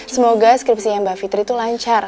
semoga skripsinya mbak fitri itu lancar